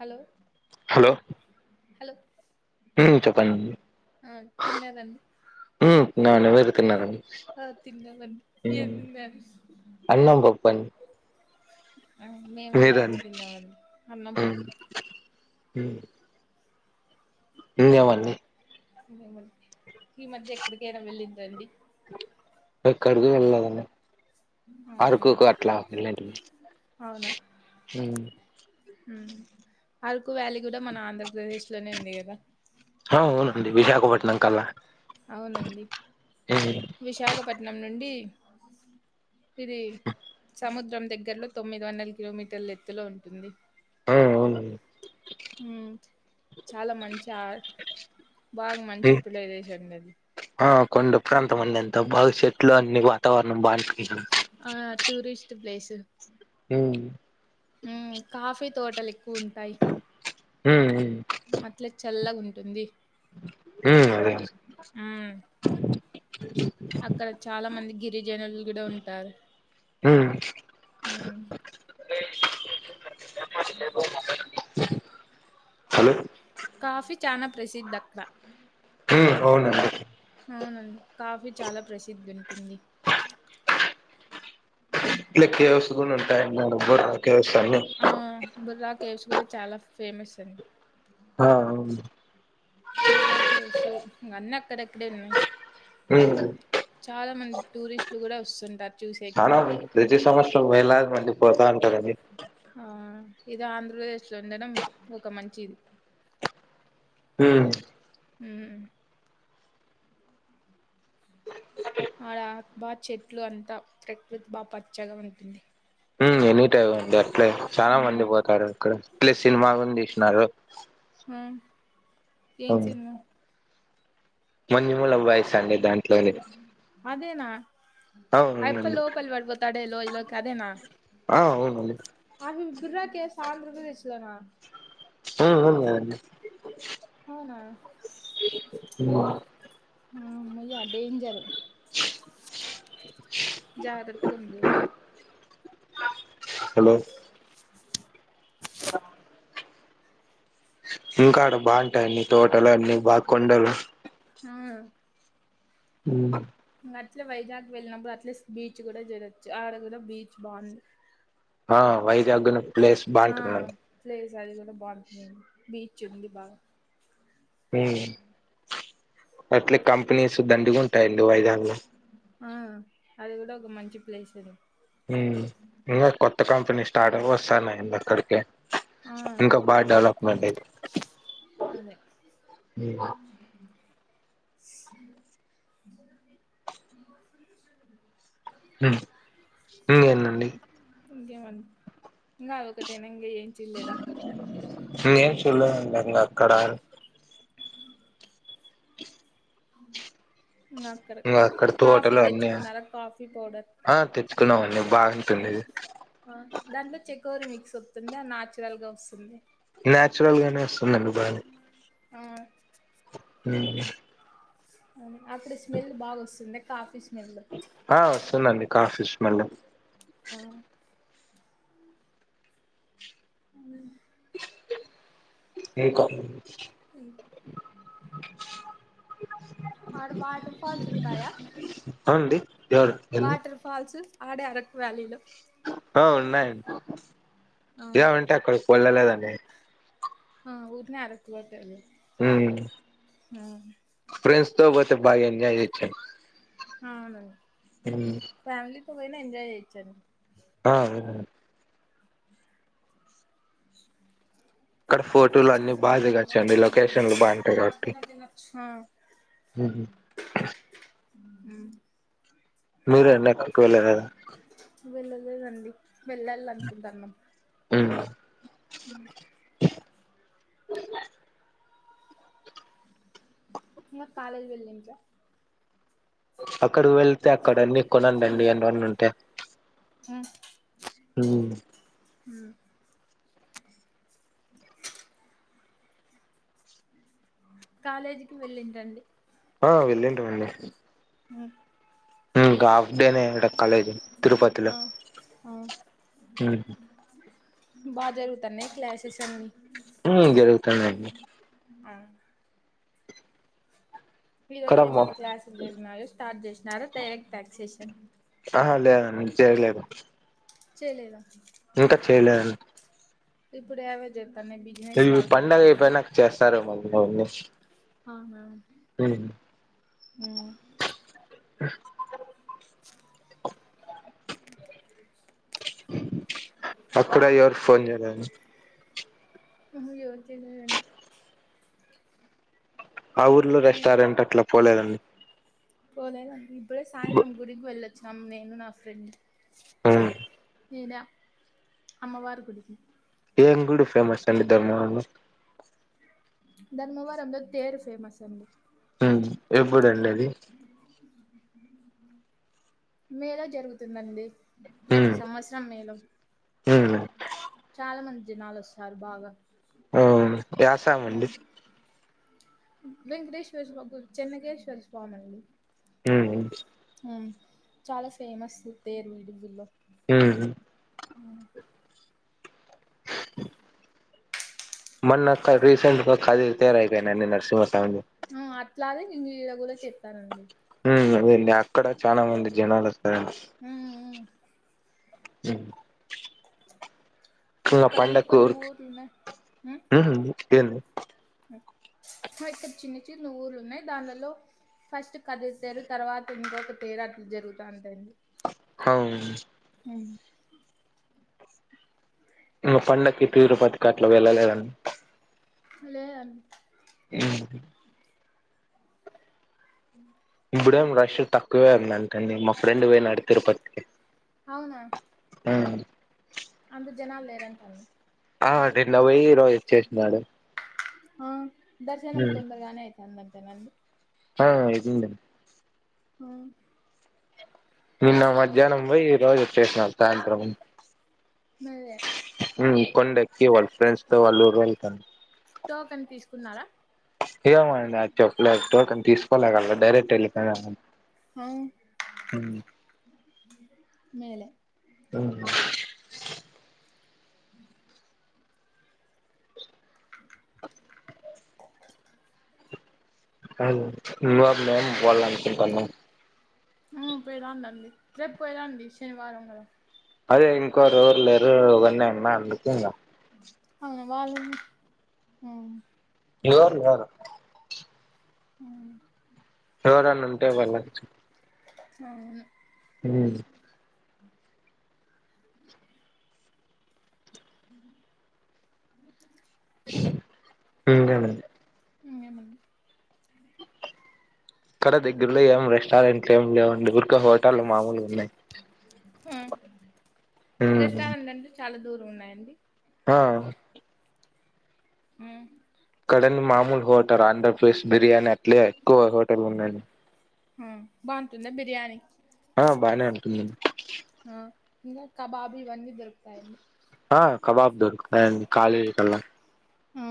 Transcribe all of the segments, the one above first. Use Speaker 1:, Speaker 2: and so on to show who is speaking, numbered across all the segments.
Speaker 1: Hello
Speaker 2: hello హ్మ్ చెప్పడండి
Speaker 1: ఆ తిన్నారండి
Speaker 2: మ్ నాన్ వెజ్ తిన్నానండి
Speaker 1: ఆ తిన్నామండి ఏం
Speaker 2: మ్
Speaker 1: తిన్నారు
Speaker 2: అన్నం పప్పన్
Speaker 1: ఆ మేము గూడ అదే తిన్నామండి అన్నం పప్పు
Speaker 2: ఉ ఇంగవన్ని
Speaker 1: ఇంగేమండి ఈ మధ్య ఎక్కడికైనా వెళ్ళిండ్ర అండి
Speaker 2: ఎక్కడికి వెళ్ళలేదండి
Speaker 1: అవున
Speaker 2: అరకుకు అట్లా వెళ్ళేంటిమి
Speaker 1: అవున
Speaker 2: ఉమ్
Speaker 1: మ్ అరకు వ్యాలీ కూడా మన ఆంధ్రప్రదేశ్ లోనే ఉంది గదా
Speaker 2: ఆ అవునండి విశాఖపట్నం కల్లా
Speaker 1: అవునండి
Speaker 2: ఉమ్
Speaker 1: విశాఖపట్నం నుండి ఇది సముద్రం దగ్గర్లో తొమ్మిది వందల కిలోమీటర్ల ఎత్తులో ఉంటుంది
Speaker 2: ఆ అవునండి
Speaker 1: మ్ చాలా మంచి ఆర్ బాగా మంచి
Speaker 2: ఉమ్
Speaker 1: ప్లదేశండి అది
Speaker 2: ఆ కొండ ప్రాంతం అండి అంత బాగా చెట్లు అన్ని వాతావరణం బావుంటది ఇక్కడ
Speaker 1: ఆ టూరిస్ట్ ప్లేసు
Speaker 2: ఉ
Speaker 1: మ్ కాఫీ తోటలు ఎక్కువ ఉంతాయి
Speaker 2: ఉమ్
Speaker 1: అట్లే చల్లగా ఉంటుంది
Speaker 2: ఉ అదే
Speaker 1: మ్మ్ అక్కడ చాలా మంది గ్ జనాలు గుడా ఉంటారు
Speaker 2: ఉమ్
Speaker 1: ఉ
Speaker 2: హలో
Speaker 1: కాఫీ చానా ప్రసిద్ధక్కడ
Speaker 2: ఉ అవునండి
Speaker 1: అవునండి కాఫీ చాలా ప్రసిద్ధి ఉంటుంది
Speaker 2: లేక్ కేవ్స్ గునా ఉంటాయ్ [unintelligible]
Speaker 1: ఆ బుర్రా కేవ్స్ గుడా చాలా ఫేమస్ అండి
Speaker 2: ఆ అవును
Speaker 1: బుర్రా కెవ్స్ ఇంగ అన్నీ అక్కడెక్కడే ఉన్నాయి
Speaker 2: ఉమ్
Speaker 1: చాలా మంది టూరిస్ట్లు గుడా వొస్తుంటారు
Speaker 2: చానా మంది ప్రతి సంవత్సరం వేలాది మంది పోతారు
Speaker 1: ఆ ఇది ఆంధ్రప్రదేశ్ లో ఉండడం ఒక మంచిది
Speaker 2: ఉ
Speaker 1: ఉ ఆడ అక్ బా చెట్లు అంతా ప్రకృతి బాగా పచ్చగా ఉంటుంది
Speaker 2: ఉ ఎనీ టైమ్ ఉంది అట్లే చాలా
Speaker 1: హ్మ్.
Speaker 2: మంది బోతారు ఇక్కడ ప్లస్ సినిమా గున్ తీసినారు
Speaker 1: ఆ ఏం సినిమా
Speaker 2: మంజు మూల బాయ్స్ అండి దాంట్లోనే
Speaker 1: అదేనా అయ్యప్ప
Speaker 2: అవునండి
Speaker 1: లోపలి బడిపోతాడే లోయలోకి అదేనా
Speaker 2: ఆ అవునండి
Speaker 1: అవి బుర్ర కెవ్స్ ఆంధ్రప్రదేష్ లోనా
Speaker 2: ఆ అవును కదండీ
Speaker 1: అవున మ్ మయ్ అడ్ డేంజరు జరాత్తగుండ్లు
Speaker 2: హలో యా ఇంకాడ బాగుంటాయి అన్ని తోటలు అన్ని బాగ్ కొండలు
Speaker 1: ఆ
Speaker 2: ఉ
Speaker 1: ఇంగ అట్లే వైజాగ్ వెళ్ళినప్పుడు అట్లేస్ బీచ్ గుడా జురోచ్చు ఆడ గుడా బీచ్ బాగుంది
Speaker 2: ఆ వైజాగ్ గుణ ప్లేస్ బాగుంటుంది అండి
Speaker 1: గది గూడ బాగుంటుంది బీచ్ ఉంది బాగా
Speaker 2: ఉ అట్లే కంపెనీస్ దండి ఉంటాయి అండి వైజాగ్ లో
Speaker 1: ఆ అది గుడా ఒక మంచి ప్లేస్ అది
Speaker 2: మ్ ఇంగ కొత్త కంపెనీ స్టార్టప్ వొస్తనయ్ అండీ అక్కడికి
Speaker 1: ఆ!
Speaker 2: ఇంకా బాగా డెవలప్మెంట్ అయిత
Speaker 1: అదే స్ జ మి వాయిస్ వినిపించడం లేదు
Speaker 2: ఉ ఇంకేందండి
Speaker 1: ఇంకేమ అండి ఇంగ అదొకటేనా ఇంగ ఏం చుల్లేదా
Speaker 2: నేన్ ఎం చూళ్లేదు అండి ఇంగ అక్కడ
Speaker 1: అవును
Speaker 2: ఇంకా అక్కడ తోటలు అన్నీ
Speaker 1: తెచ్చుకున్నారా కాఫీ పౌడర్
Speaker 2: ఆ తెచ్చుకునం అండి బాగనే
Speaker 1: దాంట్లో చేకోరి మిక్స్ వతుంది అ నాచురల్ గా వస్తుంది
Speaker 2: నాచురల్గానే వస్తుందండి బానే
Speaker 1: ఆ
Speaker 2: ఉమ్
Speaker 1: అక్కడ స్మెల్ బాగా వస్తుంది కాఫీ స్మెల్
Speaker 2: ఆ వస్తుందండి కాఫీ స్మెల్
Speaker 1: మ్ ఉమ్
Speaker 2: ఏకో
Speaker 1: ఉమ్ అడ వాటర్ఫల్స్ ఉంటాయా
Speaker 2: అవును అండి ఎవరు ఏంది
Speaker 1: వాటర్ ఫాల్స్ ఆడే అరక్ వ్యాలీలో
Speaker 2: ఆ ఉన్నాయ అండి
Speaker 1: ఆ
Speaker 2: ఇగ ఉంటే అక్కడికి వెళ్ళలేదు అండి
Speaker 1: ఆ ఊర్రనే ఆరుకువ సైడ్
Speaker 2: ఉమ్ ఫ్రెండ్స్ తో పోతే పొతే బాగా ఎంజాయ్ చేయచ్చు అండి
Speaker 1: అవును అండి
Speaker 2: ఉమ్
Speaker 1: ఇప్పుడు పోయిన ఎంజాయ చేయచ్చు అండి
Speaker 2: ఆ అవును అండి అక్కడ ఫోటోలు అన్ని బాదిగాచు అండి లొకేషన్లు బావుంటాయి కాబట్టి
Speaker 1: ఆ
Speaker 2: ఉమ్
Speaker 1: ఉమ్
Speaker 2: మీరు వెళ్ళాక పోలేరా
Speaker 1: వెళ్ళలేదండి వెళ్ళాలి అనుకుంటారు మ
Speaker 2: ఉమ్
Speaker 1: మ్ ఇగ కాలేజ వెళ్ళిరా
Speaker 2: అక్కడు వెళ్తే అక్కడన్నీ కొనండి అవిఅన్ని ఉంటాయి
Speaker 1: ఉమ్
Speaker 2: ఉమ్
Speaker 1: ఉమ్ కాలేజీకిి వెళ్ళింటండి
Speaker 2: ఆ వెళ్లిండు ఇగ హాఫ్ డేనే అంట కాలేజీ తిరుపతిలో
Speaker 1: ఆ ఆ
Speaker 2: ఉమ్
Speaker 1: బా జరుగుతనే క్లాస్సేస్ అన్ని
Speaker 2: ఉమ్ జరుగుతునాయి అండి
Speaker 1: ఈ రోజు
Speaker 2: ఇక్కడ
Speaker 1: ఏమైన్నా క్లాసులు జరిగినయో స్టార్ట్ చేసినారో డైరెక్ట్ వ్యాక్సేషన్
Speaker 2: ఆహా చేయలేదు
Speaker 1: చేయలేదా
Speaker 2: ఇంకా చేయలేదని
Speaker 1: ఇప్పుడ అవేజర్
Speaker 2: ఇది పండగ అయిపోయినాక చేస్తారు ఏమో మౌని
Speaker 1: అవునా
Speaker 2: అక్కడ ఎవర్ ఫోన్ చేదని
Speaker 1: ఉ హు ఎవర్ చేంజ్ అయ్యారండి
Speaker 2: ఆ ఊర్లో
Speaker 1: నేను
Speaker 2: రెస్టారెంట్ అట్లా పోలేదండి
Speaker 1: పోలేదండి ఇప్పుడే సాయంత్రం గుడికి వెళ్ళ్ అమ్ నేను నా ఫ్రెండ్ ఏద అమ్మ వారు గుడికి
Speaker 2: ఏంగుడి ఫేమస్ అండి ధర్మవరం లో?
Speaker 1: ధర్మవరం లో తెరు ఫేమస్ అండి.
Speaker 2: ఊమ్ ఎప్పుడండి అది?
Speaker 1: మేల జరుగుతుందండి. ప్రతి సంవత్సరం మే లో
Speaker 2: ఊమ్
Speaker 1: చాలా మంది జనాల్ ఒస్తారు బాగా
Speaker 2: యశమండి?
Speaker 1: వెంక్టేశ్వర్ స్వా చెన్నగేశ్వర్ స్వామ్ అండి.
Speaker 2: హ్మ్
Speaker 1: ఉమ్. చాలా ఫేమస్ తేరు ఈడిజిల్లో
Speaker 2: హ్మ్
Speaker 1: ఊమ్
Speaker 2: మన్నక్క రీసెంట్గా కదిరి తేరు అయిపోయిందండి నర్సింహ స్వామి
Speaker 1: ఆ అట్లాగే నిన్న ఇడ కూడా చెప్పానండి
Speaker 2: మె అక్కడ చాలా మంది జనాలు ఒస్తారండి. ఊమ్ ఇగా
Speaker 1: ఇక్కడన్నీ
Speaker 2: పండకు
Speaker 1: కొన్ని
Speaker 2: ఊరికి
Speaker 1: ఊర్లు ఉన్నాయి
Speaker 2: ఊమ్ ఏన్
Speaker 1: హ ఇక్కడ్ చిన్న చిన్న ఊర్లు ఉన్నాయి దానలో ఫస్ట్ కదిరి తేరు, తర్వాత ఇంకొక తేర్ అట్ జరుగుత ఉంటది.
Speaker 2: హావ్న్
Speaker 1: ఉమ్
Speaker 2: ఇంకా పండక్కి తిరుపతికి అట్లా వెళ్ళలేదన్?
Speaker 1: లే అండి
Speaker 2: ఊమ్ ఇప్పుడేం రష్ తక్కువే ఉందంటండీ మా ఫ్రెండ్ పోయినాడు తిరుపతికి
Speaker 1: అవ్నా
Speaker 2: ఆ
Speaker 1: అంత జనాల్ లేరంటన
Speaker 2: ఆ నిన్న పోయి ఈరోజ్ ఓచ్చేశ్నాడు.
Speaker 1: ఆ దర్శనం తొందర్గానే అయిపోయిదంటన అండి.
Speaker 2: ఆ అయిపోయిందండి.
Speaker 1: ఆ
Speaker 2: నిన్న మధ్యాహ్నం పోయి ఈ రోజ్ ఓచ్చేశ్నడ్ సాయంత్రం.
Speaker 1: మల్లె
Speaker 2: ఊమ్ కొండ్ ఎక్కి వాళ్ళ్ ఫ్రెండ్స్ తో వాళ్ళురు వెళ్తన్
Speaker 1: టోకన్ తీస్కున్నారా?
Speaker 2: ఏమోనండి అద్ చేప్ప్లేద్ టోకన్ తీస్కోలేగ డైరెక్ట్ ఎళ్ళిపోయినారు
Speaker 1: ఆ ఉన్నాయిలే
Speaker 2: ఊమ్ కాదు [unintelligible] వాళ్ అన్కూటన్న
Speaker 1: ఆ పోయిరండండి రేప్ పోయిరండి శనివారం కదా
Speaker 2: అదే ఇంకోరు ఎవర్లేరు ఒకొనే ఉన్న అందుకే ఇంగ
Speaker 1: అవున్వాళ్లు మ్
Speaker 2: ఇగోన్ గారు
Speaker 1: హ్మ్
Speaker 2: ఎవరన్న ఉంటే వలక్ చ్
Speaker 1: సరే
Speaker 2: హ్మ్ ఇంకేంది
Speaker 1: ఉ ఏమన్నా
Speaker 2: ఇక్కడ దగ్గరలో ఏం రెస్టారెంట్లు ఏం లేవండి ఉరికే హోటలు మామూలుగా ఉన్నాయి
Speaker 1: అ రెస్టారెంట్లు అంటే చాలా దూరం ఉన్నాయండి
Speaker 2: ఆ
Speaker 1: హ్మ్
Speaker 2: ఇక్కడ మామూలు హోటల్ ఆండ్రప్రదేశ్ బిర్యానీ అట్లే ఎక్కువ హోటల్ ఉన్నాయిండి
Speaker 1: హ బాగుంటుందా బిర్యానీ
Speaker 2: ఆ బానే ఉంటుందండి
Speaker 1: ఆ ఇంగ కబాబ్ ఇవ్వని దొరుకుతాయి
Speaker 2: ఆ కబాబ్ దొరుకుతాయండి కాలి కల్లా
Speaker 1: ఆ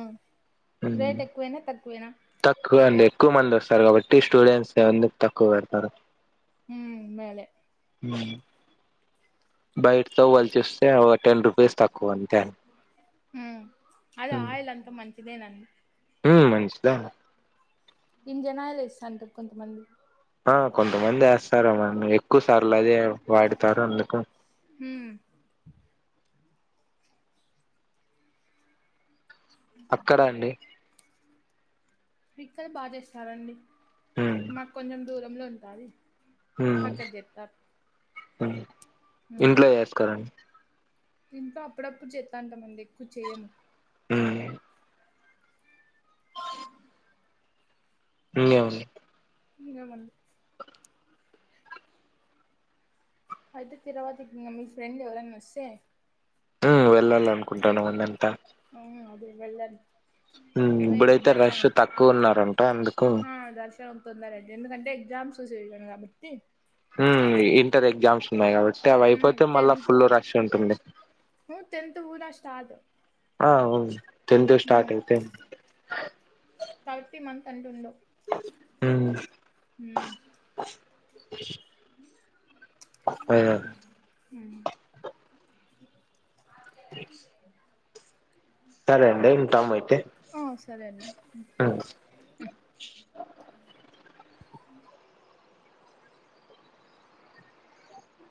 Speaker 1: రేట్ ఎక్కువేనా తక్కువేనా
Speaker 2: ఎక్కువే అండి ఎక్కువా మంది వస్తారు కాబట్టి స్టూడెంట్స్ ఎందుకు తక్కువ పెడతారు
Speaker 1: ఊ మేలే
Speaker 2: ఊ బైట్తో పోల్చి చూస్తే ఒక టెన్ రూపీస్ తక్కువ అంతే అండీ
Speaker 1: హ్మ్ అది ఆయిల్ అంత మంచిదేన అండీ
Speaker 2: హ్మ్ మంచిదే అండీ
Speaker 1: ఇంజన్ ఆయిల్ ఎస్తా అంటారు కొంతమంది
Speaker 2: ఆ కొంతమంది వేస్తారు ఏమోని ఎక్కువ సార్లు అదే వాడుతారు అందుకూ
Speaker 1: ఉమ్
Speaker 2: అక్కడ అండి
Speaker 1: ఇక్కడ బాగా చేస్తారండి
Speaker 2: ఉమ్
Speaker 1: మాకు కొంచెం దూరంలో ఉంటది
Speaker 2: ఉమ్
Speaker 1: అక్కడ జెతారు
Speaker 2: ఇంట్లో చేస్కారండి
Speaker 1: ఇంట్లో అప్పుడప్పుడు చెత్తా ఉంటామండి ఎక్కువ చెయము
Speaker 2: హ్మ్ ఇ అవును
Speaker 1: ఇ అవును అయితే తిరవాతికి ఇగ మీ ఫ్రెండ్ ఎవరన్నా ఒస్తే
Speaker 2: హ్మ్ వెళ్ళాల అనుకుంటాను మందంతా
Speaker 1: వేలండి
Speaker 2: హ్మ్ ఇప్పుడైతే రష్ తక్కువ ఉన్నారంట అందుకు
Speaker 1: తొందర అండి ఎందుకంటే ఎగ్జామ్స్ సీజన్ కాబట్టి
Speaker 2: హ్మ్ ఇంటర్ ఎగ్జామ్స్ ఉన్నాయ్ కాబ సో అవి
Speaker 1: ఉమ్
Speaker 2: అయిపోతే మళ్ళా
Speaker 1: టెన్త్
Speaker 2: ఫుల్ రష్ ఉంటుంది
Speaker 1: థర్డు
Speaker 2: ఆ అవును టెన్త్ స్టార్ట్
Speaker 1: హ్మ్
Speaker 2: అయితే
Speaker 1: ప్రతి మంత్ అంటుండు
Speaker 2: ఉమ్,
Speaker 1: హ్మ్
Speaker 2: కొత్తగా [inaudible] సరేండి
Speaker 1: ఆ సరే అండి
Speaker 2: ఉమ్.
Speaker 1: ఉ ఉ ఉ